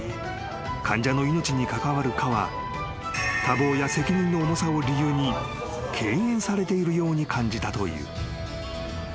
［患者の命に関わる科は多忙や責任の重さを理由に敬遠されているように感じたという］